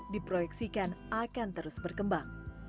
diproyeksikan akan terus berkembang